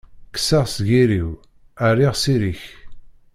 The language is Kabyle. Kkseɣ seg iri-w, rriɣ s iri-k.